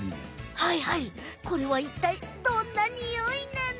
はいはいこれはいったいどんなニオイなの？